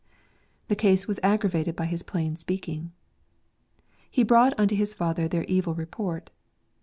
The case was aggravated by his plain speaking. "He brought unto his father their evil report."